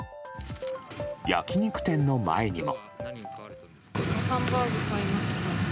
焼き肉店の前にも。